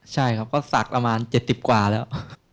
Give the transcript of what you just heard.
ใช่ครับก็ศักดิ์ประมาณ๗๐กว่าแล้ว